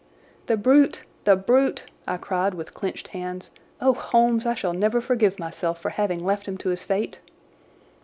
"The brute! The brute!" I cried with clenched hands. "Oh Holmes, I shall never forgive myself for having left him to his fate."